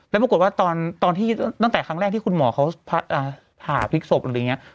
แล้วปรากฏว่าตอนที่ตั้งแต่ครั้งแรกที่คุณหมอเขาผ่าพลิกศพอะไรอย่างนี้